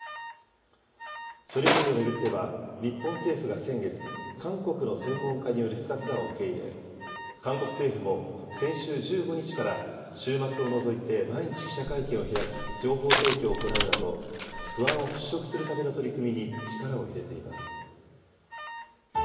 処理水を巡っては、日本政府が先月、韓国の専門家による視察団を受け入れ、韓国政府も先週１５日から、週末を除いて毎日記者会見を開き、情報提供を行うなど、不安を払拭するための取り組みに力を入れています。